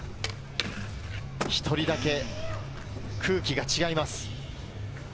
１人だけ空気が違います。